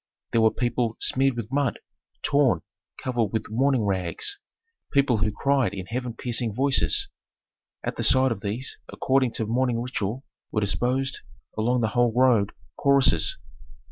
There were people smeared with mud, torn, covered with mourning rags, people who cried in heaven piercing voices. At the side of these, according to mourning ritual, were disposed, along the whole road, choruses.